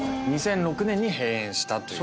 ２００６年に閉園したという。